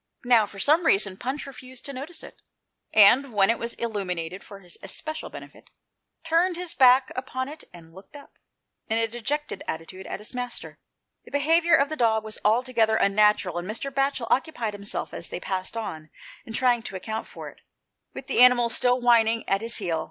Now, for some reason. Punch refused to notice it, and, when it was illuminated for his especial benefit, turned his back upon it and looked up, in a dejected attitude, at his master. The behaviour of the dog was altogether unnatural, and Mr. Batchel occupied himself, as they passed on, in trying to account for it, with the animal still whining at his heel.